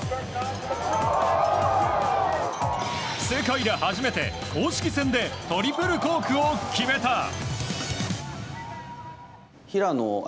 世界で初めて公式戦でトリプルコークを決めた！